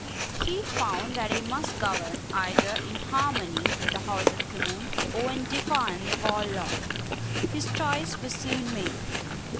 He found that he must govern either in harmony with the House of Commons or in defiance of all law. His choice was soon made.